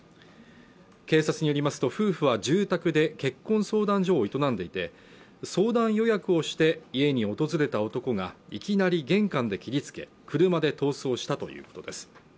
警察によりますと夫婦は住宅で結婚相談所を営んでいて相談予約をして家に訪れた男がいきなり玄関で切りつけ車で逃走したということです